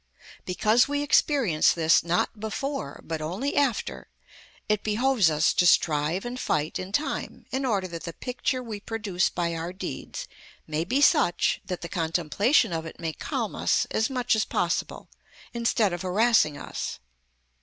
Because we experience this not before, but only after, it behoves us to strive and fight in time, in order that the picture we produce by our deeds may be such that the contemplation of it may calm us as much as possible, instead of harassing us.